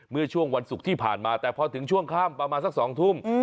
เมื่อช่วงวันศุกร์ที่ผ่านมาแต่พอถึงช่วงค่ำประมาณสัก๒ทุ่ม